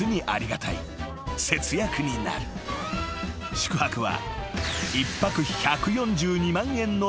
［宿泊は］